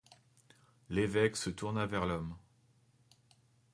L'évêque se tourna vers l'homme.